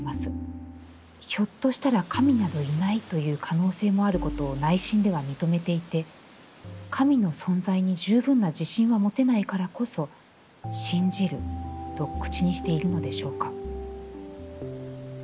ひょっとしたら神などいないという可能性もあることを内心では認めていて、神の存在に十分な自信は持てないからこそ、『信じる』と口にしているのでしょうか」。